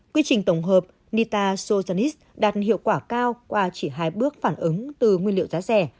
quy trình tổng hợp nita sotonis đạt hiệu quả cao qua chỉ hai bước phản ứng từ nguyên liệu giá rẻ